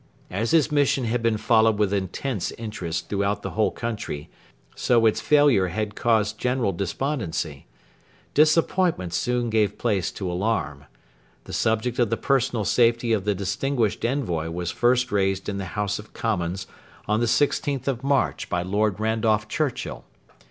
As his mission had been followed with intense interest throughout the whole country, so its failure had caused general despondency. Disappointment soon gave place to alarm. The subject of the personal safety of the distinguished envoy was first raised in the House of Commons on the 16th of March by Lord Randolph Churchill.